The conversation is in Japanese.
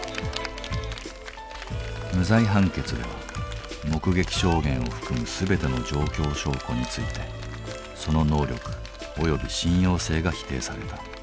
無罪判決では目撃証言を含む全ての状況証拠についてその能力および信用性が否定された。